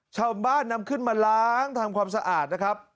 ชาวบ้านนำขึ้นมาล้างทำความสะอาดนะครับ